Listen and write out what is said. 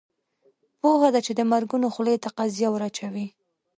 پوهه ده چې د مرګونو خولې ته قیضه ور اچوي.